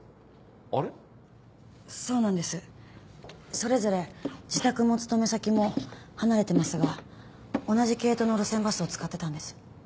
それぞれ自宅も勤め先も離れてますが同じ系統の路線バスを使ってたんです。